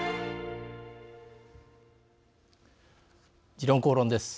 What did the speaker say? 「時論公論」です。